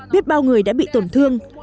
biết bao người đã bị tổn thương